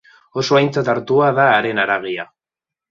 Oso aintzat hartua da haren haragia.